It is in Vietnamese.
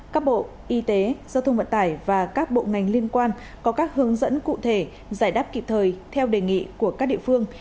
các bộ y tế giao thông vận tải và các bộ ngành liên quan có các hướng dẫn cụ thể giải đáp kịp thời theo đề nghị của các địa phương